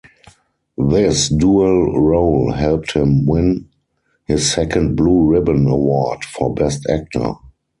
This dual role helped him win his second "Blue Ribbon Award" for Best Actor.